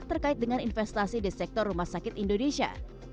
terkait dengan investasi di sektor rumah sakit indonesia